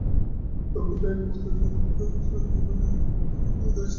তখন মেঘমুক্ত চতুর্থীর চন্দ্রমা জ্যোৎস্না বিকীর্ণ করিতেছেন।